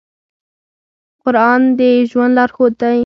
قرآن د ژوند لارښود دی.